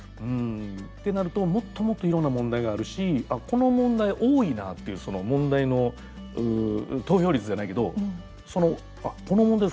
ってなると、もっともっといろんな問題があるしこの問題多いなっていう問題の投票率じゃないけどこの問題、